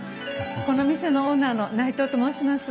この店のオーナーの内藤と申します。